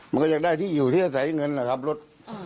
มันก็อยากได้ที่อยู่ที่อาศัยเงินนะครับรถ